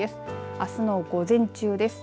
あすの午前中です。